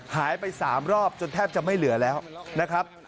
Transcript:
หายไป๓รอบจนแทบจะไม่เหลือแล้วนะครับ